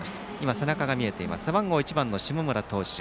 背中が見えていた背番号１番の下村投手。